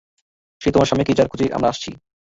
সে তোমার স্বামীই যার খুঁজে আমরা আছি।